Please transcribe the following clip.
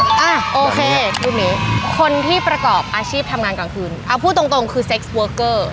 อ่ะโอเคพูดอย่างนี้คนที่ประกอบอาชีพทำงานกลางคืนเอาพูดตรงตรงคือเซ็กซเวิร์กเกอร์